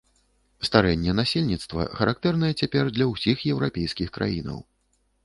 Старэнне насельніцтва характэрнае цяпер для ўсіх еўрапейскіх краінаў.